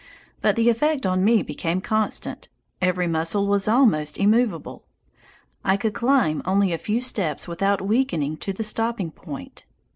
But the effect on me became constant. Every muscle was almost immovable. I could climb only a few steps without weakening to the stopping point.